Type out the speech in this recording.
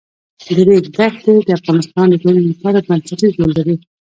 د ریګ دښتې د افغانستان د ټولنې لپاره بنسټيز رول لري.